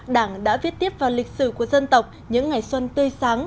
đảng đã viết tiếp vào lịch sử của dân tộc những ngày xuân tươi sáng